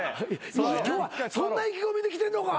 そんな意気込みで来てんのか？